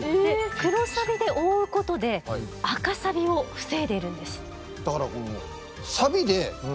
黒サビで覆うことで赤サビを防いでいるんです。